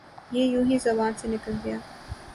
یہ یونہی زبان سے نکل گیا